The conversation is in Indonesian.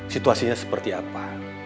situasinya seperti apa